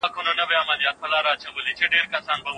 مهم فصل ګڼل کېږي